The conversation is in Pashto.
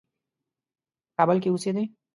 په کابل کې اوسېدی.